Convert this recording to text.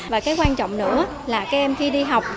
và cái quan trọng nữa là các em khi đi học